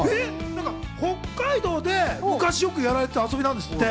北海道で昔、よくやられていた遊びなんですって。